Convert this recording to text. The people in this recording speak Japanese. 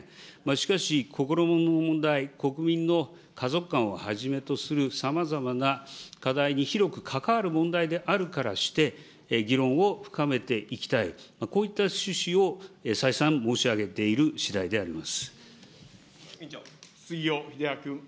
しかし、心の問題、国民の家族観をはじめとするさまざまな課題に広く関わる問題であるからして、議論を深めていきたい、こういった趣旨を再三申し上げているしだ杉尾秀哉君。